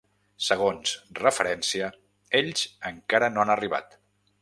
Segons referència, ells encara no han arribat.